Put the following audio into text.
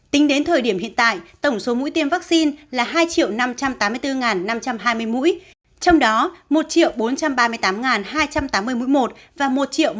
tính đến thời điểm hiện tại tổng số mũi tiêm vaccine là hai năm trăm tám mươi bốn năm trăm hai mươi mũi trong đó một bốn trăm ba mươi tám hai trăm tám mươi mũi một và một một trăm bốn mươi sáu hai trăm bốn mươi mũi hai